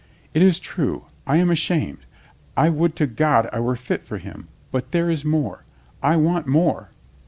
"It is true. I am ashamed, I would to God I were fit for him. But there is more. I want more."